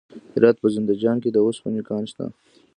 د هرات په زنده جان کې د وسپنې کان شته.